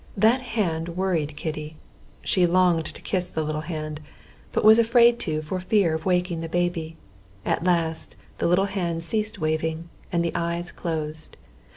That hand worried Kitty; she longed to kiss the little hand, but was afraid to for fear of waking the baby. At last the little hand ceased waving, and the eyes closed.